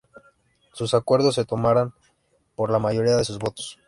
Sus acuerdos se tomaran por la mayoría de sus votos.